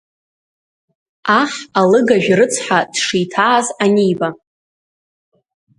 Аҳ алыгажә рыцҳа дшиҭааз аниба…